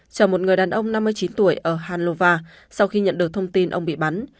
chở một người đàn ông năm mươi chín tuổi ở hanlova sau khi nhận được thông tin ông bị bắn